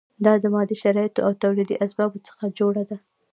دا د مادي شرایطو او تولیدي اسبابو څخه جوړه ده.